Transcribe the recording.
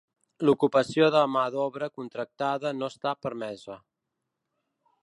L'ocupació de mà d'obra contractada no està permesa.